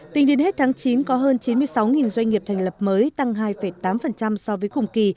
tính đến hết tháng chín có hơn chín mươi sáu doanh nghiệp thành lập mới tăng hai tám so với cùng kỳ